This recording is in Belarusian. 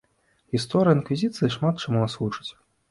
Гісторыя інквізіцыі шмат чаму нас вучыць.